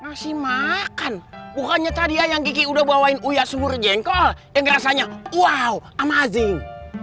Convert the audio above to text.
masih makan bukannya tadi ayang gigi udah bawain uya surjengkol yang rasanya wow amazing